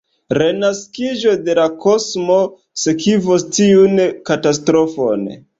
Renaskiĝo de la kosmo sekvos tiun katastrofon.